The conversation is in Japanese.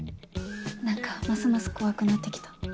何かますます怖くなって来た。